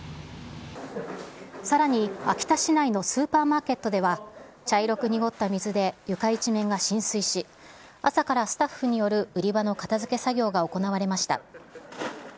さらに秋田市内のスーパーマーケットでは、茶色く濁った水で床一面が浸水し、朝からスタッフによる売り場の片づけ作業が行われました。